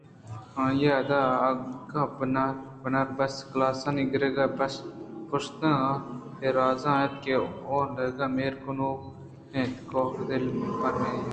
آئی ءِ اِدا آہگءَبناربس ءِ کلاسانی گرگ ءِ پشتءَ اے راز اِنت کہ اولگا مہر ءِ گنوک اِنت ءُ کاف ءِدل ءَ پر آئی ءَ